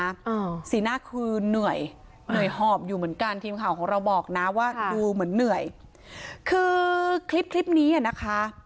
อ่าสีหน้าคือเหนื่อยเหนื่อยหอบอยู่เหมือนกันทีมข่าวของเราบอกนะว่าดูเหมือนเหนื่อยคือคลิปคลิปนี้อ่ะนะคะ